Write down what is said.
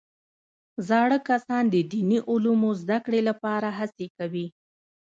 زاړه کسان د دیني علومو زده کړې لپاره هڅې کوي